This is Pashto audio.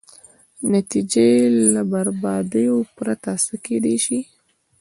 نتېجه یې له بربادیو پرته څه کېدای شي.